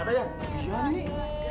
ada suara ini ada ya